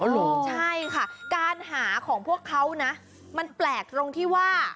ใช่ค่ะการหาของพวกเขานะมันแปลกตรงที่ว่า